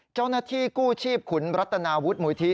เจ้าหน้าที่กู้ชีพขุนรัตนาวุฒิมูลที่